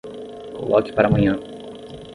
Coloque para amanhã.